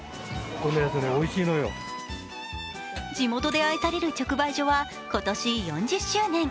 地元で愛される直売所は今年４０周年。